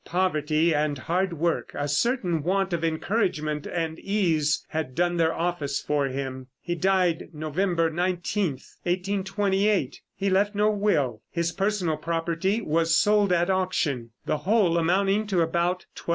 Poverty and hard work, a certain want of encouragement and ease had done their office for him. He died November 19, 1828. He left no will. His personal property was sold at auction, the whole amounting to about $12.